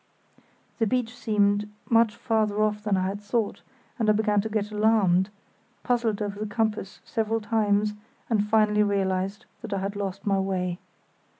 The beach seemed much farther off than I had thought, and I began to get alarmed, puzzled over the compass several times, and finally realised that I had lost my way.